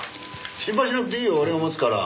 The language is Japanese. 心配しなくていいよ俺が持つから。